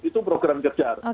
itu program kejar